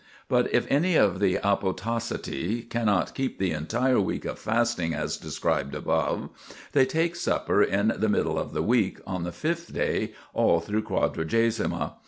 But if any of the apotactitae cannot keep the entire week of fasting as described above, they take supper in the middle (of the week), on the fifth day, all through Quadragesima.